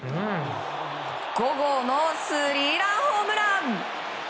５号のスリーランホームラン。